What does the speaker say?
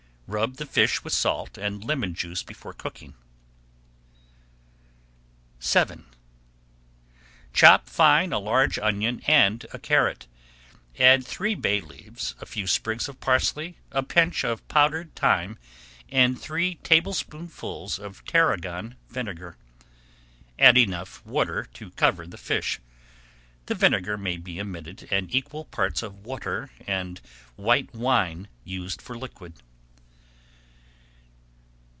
Rub the fish with salt and lemon juice before cooking. VII Chop fine a large onion and a carrot. Add three bay leaves, a few sprigs of parsley, a pinch of powdered thyme, and three tablespoonfuls of tarragon vinegar. Add enough water to cover the fish. The vinegar may be omitted and equal parts of water and white wine used for liquid.